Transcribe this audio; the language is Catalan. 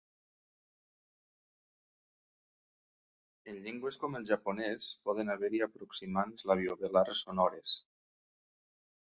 En llengües com el japonès, poden haver-hi aproximants labiovelars sonores.